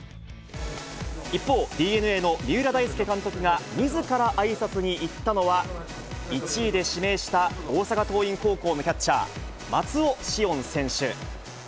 一方、ＤｅＮＡの三浦大輔監督がみずからあいさつに行ったのは、１位で指名した大阪桐蔭高校のキャッチャー、松尾汐恩選手。